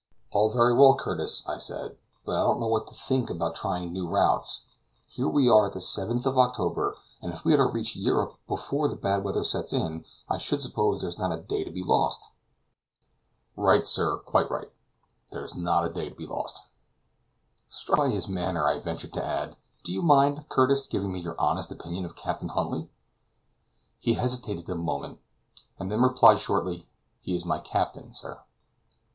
"All very well, Curtis," I said, "but I don't know what to think about trying new routes. Here we are at the 7th of October, and if we are to reach Europe before the bad weather sets in, I should suppose there is not a day to be lost." "Right, sir, quite right; there is not a day to be lost." Struck by his manner, I ventured to add, "Do you mind, Curtis, giving me your honest opinion of Captain Huntly?" He hesitated a moment, and then replied shortly, "He is my captain, sir."